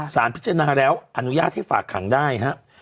สารพิจารณาแล้วอนุญาตให้ฝากขังได้ครับ